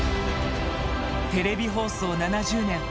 テレビ放送７０年。